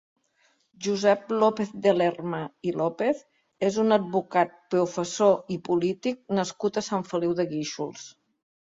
Josep López de Lerma i López és un advocat, professor i polític nascut a Sant Feliu de Guíxols.